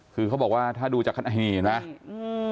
คือเขาบอกว่าถ้าดูจากข้างในนี้นะอืม